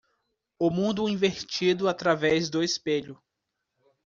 O mundo invertido através do espelho.